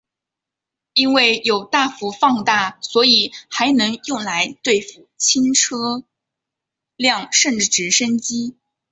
因为有大幅放大所以还能用来对付轻车辆甚至直升机。